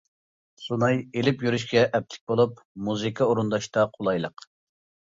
سۇناي ئېلىپ يۈرۈشكە ئەپلىك بولۇپ، مۇزىكا ئورۇنداشتا قولايلىق.